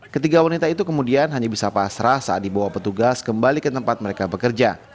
ketiga wanita itu kemudian hanya bisa pasrah saat dibawa petugas kembali ke tempat mereka bekerja